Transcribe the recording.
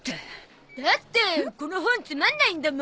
だってこの本つまんないんだもん。